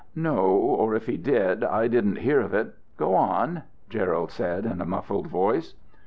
"No, or if he did, I didn't hear of it. Go on," Gerald said in a muffled voice.